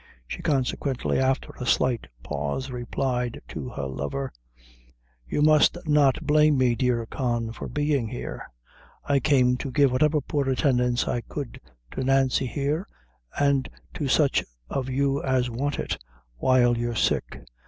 She consequently, after a slight pause, replied to her lover "You must not blame me, dear Con, for being here. I came to give whatever poor attendance I could to Nancy here, and to sich of you as want it, while you're sick.